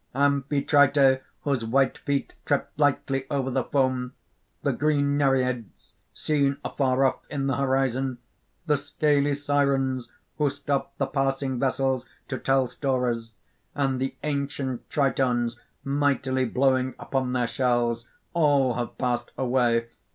"Amphitrite whose white feet tripped lightly over the foam, the green Nereids seen afar off in the horizon, the scaly Sirens who stopped the passing vessels to tell stories, and the ancient Tritons mightily blowing upon their shells, all have passed away.